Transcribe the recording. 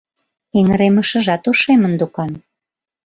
Эҥыремышыжат ошемын докан.